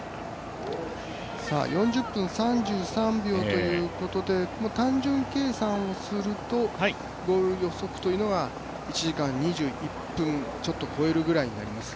４０分３３秒ということで単純計算をするとゴール予測というのは１時間２１分ちょっと超えるぐらいになります。